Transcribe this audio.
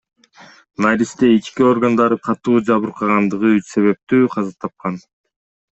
Наристе ички органдары катуу жабыркагандыгы себептүү каза тапкан.